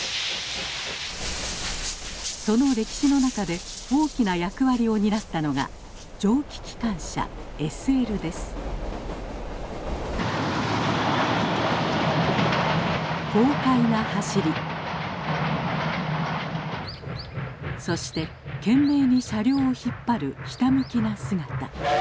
その歴史の中で大きな役割を担ったのが豪快な走りそして懸命に車両を引っ張るひたむきな姿。